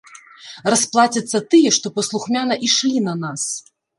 Расплацяцца тыя, што паслухмяна ішлі на нас.